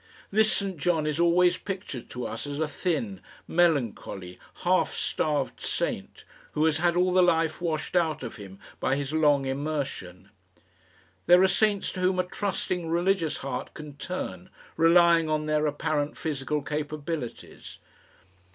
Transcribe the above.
This St John is always pictured to us as a thin, melancholy, half starved saint, who has had all the life washed out of him by his long immersion. There are saints to whom a trusting religious heart can turn, relying on their apparent physical capabilities.